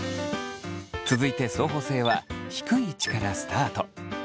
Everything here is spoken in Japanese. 続いて相補性は低い位置からスタート。